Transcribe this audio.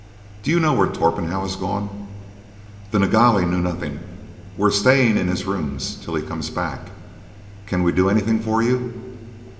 Do you know where Torpenhow has gone?" The Nilghai knew nothing. "We're staying in his rooms till he comes back. Can we do anything for you?"